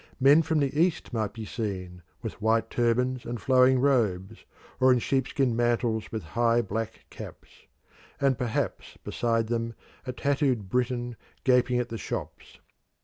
Men from the East might be seen with white turbans and flowing robes, or in sheep skin mantles with high black caps; and perhaps beside them a tattooed Briton gaping at the shops.